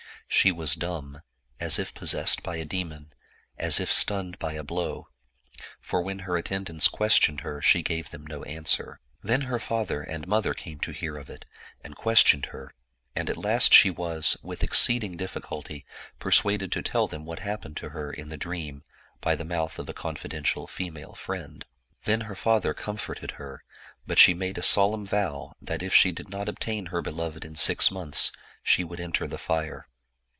She was dumb, as if possessed by a demon, as if stunned by a blow, for when her attendants questioned her, she gave them no answer. "Then her father and mother came to hear of it, and questioned her; and at last she was, with exceeding diffi culty, persuaded to tell them what happened to her in the dream, by the mouth of a confidential female friend. Then her father comforted her, but she made a solemn vow that, if she did not obtain her beloved in six months, she would enter the fire.